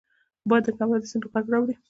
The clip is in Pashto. باد د کمره د څنډو غږ راوړي